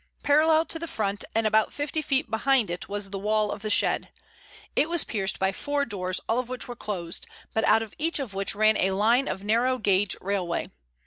Parallel to the front and about fifty feet behind it was the wall of the shed. It was pierced by four doors, all of which were closed, but out of each of which ran a line of narrow gauge railway.